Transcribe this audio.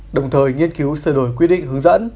đồng thời nghiên cứu sửa đổi quy định hướng dẫn